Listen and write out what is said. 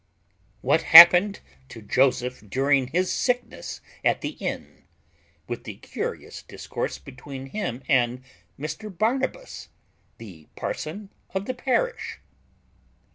_What happened to Joseph during his sickness at the inn, with the curious discourse between him and Mr Barnabas, the parson of the parish.